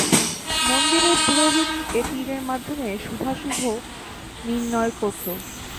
মন্দিরের পুরুহিত এ তীরের মাধ্যমে শুভাশুভ নির্ণয় করত।